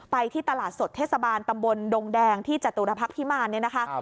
ที่ตลาดสดเทศบาลตำบลดงแดงที่จตุรพักษ์พิมารเนี่ยนะคะ